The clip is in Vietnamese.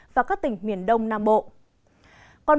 và các tỉnh miền đông nam bộ